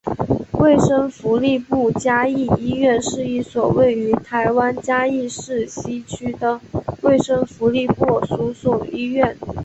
卫生福利部嘉义医院是一所位于台湾嘉义市西区的卫生福利部所属医院。